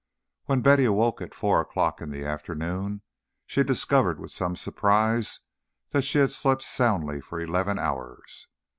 XVI When Betty awoke at four o'clock in the afternoon, she discovered with some surprise that she had slept soundly for eleven hours.